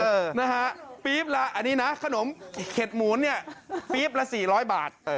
นะฮะปี๊บละอันนี้นะขนมเห็ดหมูนเนี่ยปี๊บละ๔๐๐บาท